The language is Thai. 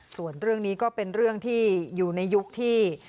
ส่วนเรื่องนี้ก็เป็นเรื่องที่อยู่ในยุคที่